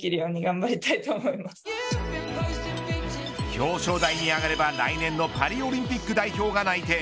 表彰台に上がれば来年のパリオリンピック代表が内定。